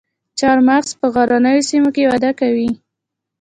چهارمغز په غرنیو سیمو کې وده کوي